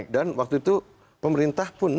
waktu itu pemerintah pun